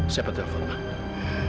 siapa telepon mak